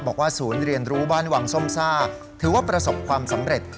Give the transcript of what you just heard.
บอกว่าศูนย์เรียนรู้บ้านวังส้มซ่าถือว่าประสบความสำเร็จ